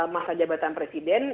masa jabatan presiden